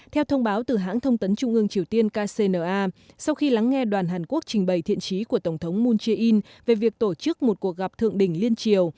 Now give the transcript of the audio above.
theo thông báo từ hãng thông tấn trung ương triều tiên kcna sau khi lắng nghe đoàn hàn quốc trình bày thiện trí của tổng thống moon jae in về việc tổ chức một cuộc gặp thượng đỉnh liên triều